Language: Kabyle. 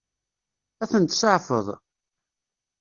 Ad tent-tseɛfeḍ?